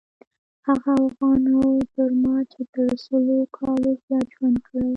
هغه اوغان او جرما چې تر سلو کالو زیات ژوند کړی.